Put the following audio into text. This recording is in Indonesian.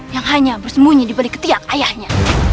yang hanya bersembunyi di balik ketiak ayahnya